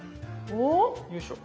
よいしょ。